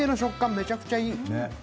めちゃくちゃいい。